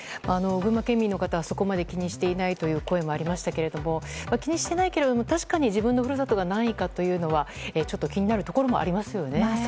群馬県民の方はそこまで気にしていないという声もありましたが気にしてないけれども確かに自分の故郷が何位かというのは、ちょっと気になるところもありますよね。